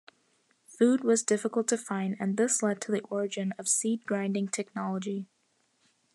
Food was difficult to find and this led to the origin of seed-grinding technology.